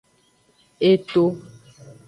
Eto.